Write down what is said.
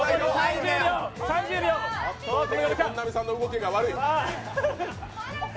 本並さんの動きが悪い。